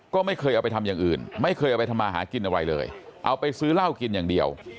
ก็ไม่เคยเอาไปทำอย่างอื่นไม่เคยเอาไปทำมาหากินอะไรเลยเอาไปซื้อเหล้ากินอย่างเดียว